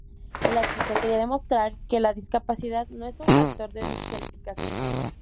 El artista quería demostrar que la discapacidad no es un factor de descalificación.